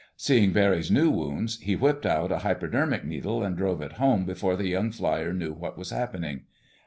Seeing Barry's new wounds, he whipped out a hypodermic needle, and drove it home before the young flier knew what was happening.